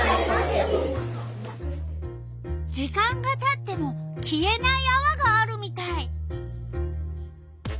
時間がたっても消えないあわがあるみたい。